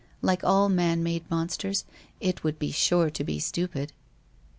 Like all man made monsters, it would be sure to be stupid?